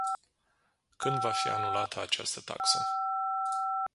Când va fi anulată această taxă?